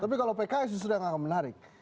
tapi kalau pks itu sudah gak menarik